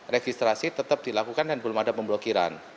registrasi tetap dilakukan dan belum ada pemblokiran